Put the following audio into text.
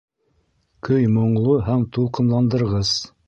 Көй моңло һәм тулҡынландырғыс